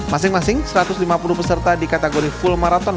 masing masing satu ratus lima puluh peserta di kategori full marathon